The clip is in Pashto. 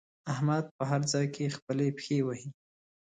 احمد په هر ځای کې خپلې پښې وهي.